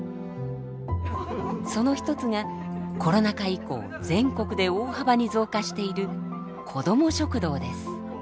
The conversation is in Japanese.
その一つがコロナ禍以降全国で大幅に増加しているこども食堂です。